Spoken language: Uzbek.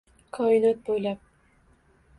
Koinot bo’ylab